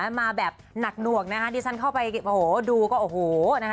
มาแบบหนักหน่วงนะคะดิฉันเข้าไปโอ้โหดูก็โอ้โหนะฮะ